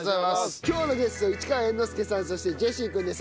今日のゲスト市川猿之助さんそしてジェシー君です。